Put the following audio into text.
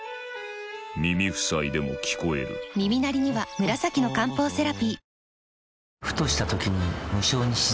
耳塞いでも聞こえる耳鳴りには紫の漢方セラピー